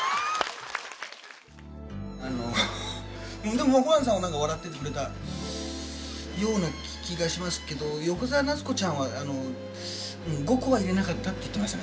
でもホランさんは何か笑っててくれたような気がしますけど横澤夏子ちゃんは５個は入れなかったって言ってましたね